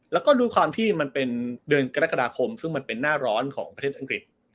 แล้วก็ด้วยความที่มันเป็นเดือนกรกฎาคมซึ่งมันเป็นหน้าร้อนของประเทศอังกฤษ